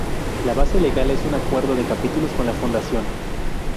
La base legal es un "Acuerdo de Capítulos" con la fundación.